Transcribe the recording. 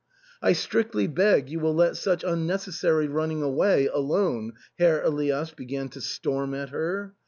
" I strictly beg you will let such unnecessary running away alone,'* Herr Elias began to storm at her.